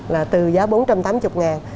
là từ giá bốn trăm tám mươi ngàn